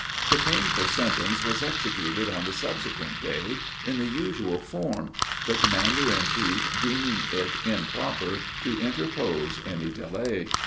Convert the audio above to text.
The painful sentence was executed on the subsequent day, in the usual form, the commander in chief deeming it improper to interpose any delay.